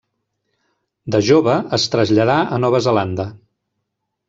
De jove es traslladà a Nova Zelanda.